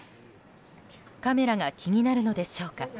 カメラが気になるのでしょうか。